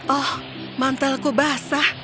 oh mantelku basah